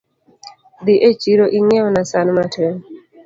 Dhi e chiro ing'iewna san matin